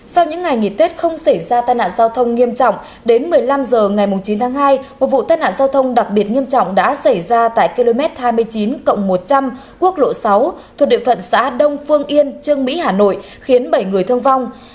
sau những ngày nghỉ tết không xảy ra tai nạn giao thông nghiêm trọng đến một mươi năm h ngày chín tháng hai một vụ tai nạn giao thông đặc biệt nghiêm trọng đã xảy ra tại km hai mươi chín một trăm linh quốc lộ sáu thuộc địa phận xã đông phương yên trương mỹ hà nội khiến bảy người thương vong